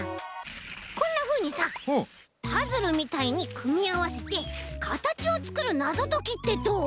こんなふうにさパズルみたいにくみあわせてかたちをつくるなぞときってどう？